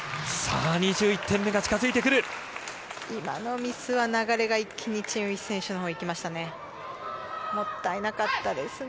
あのミスは流れが一気にチン・ウヒ選手のほうに行きましたね。